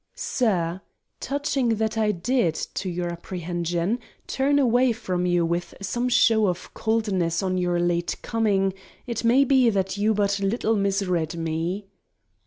SIR,—Touching that I did, to your apprehension, turn away from you with some show of coldness on your late coming, it may be that you but little misread me.